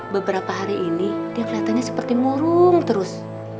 beberapa hari ini dia kelihatannya seperti murung terus